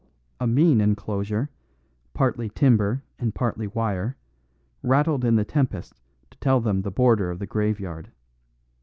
A mean enclosure, partly timber and partly wire, rattled in the tempest to tell them the border of the graveyard.